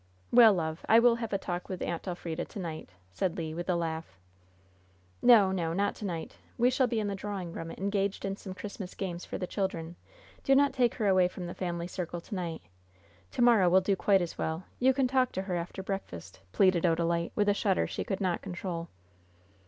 "Well, love, I will have a talk with Aunt Elfrida to night," said Le, with a laugh. "No, no, not to night. We shall be in the drawing room, engaged in some Christmas games for the children. Do not take her away from the family circle to night. To morrow will do quite as well. You can talk to her after breakfast," pleaded Odalite, with a shudder she could not control.